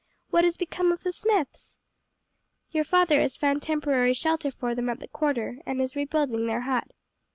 What has become of the Smiths?" "Your father has found temporary shelter for them at the quarter, and is rebuilding their hut."